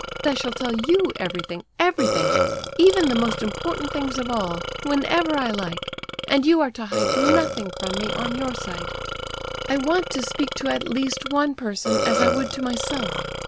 I shall tell you everything, everything, even the most important things of all, whenever I like, and you are to hide nothing from me on your side. I want to speak to at least one person, as I would to myself.